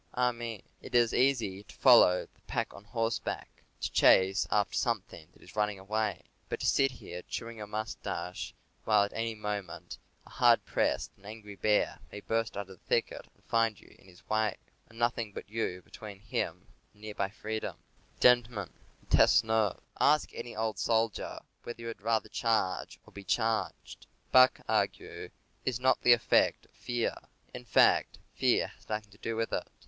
Ah, me! it is easy to follow the pack on horseback — to chase after some thing that is running away. But to sit here chewing your mustache while at any moment a hard pressed and angry bear may burst out of the thicket and find you in his way — nothing but you between him and near by freedom — gentlemen, it tests nerve! Ask any old soldier whether he would rather charge or be charged. Buck ague is not the effect of fear. In fact, fear has nothing to do with it.